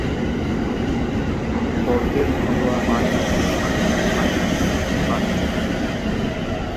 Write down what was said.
দলটির ঘরোয়া মাঠ হল প্রাসাদের মাটিতে মতি বাগ স্টেডিয়াম।